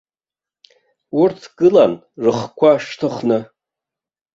Урҭ гылан рыхқәа шьҭыхны.